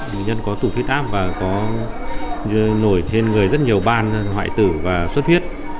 bệnh nhân có tụt huyết áp và có nổi trên người rất nhiều ban hoại tử và xuất huyết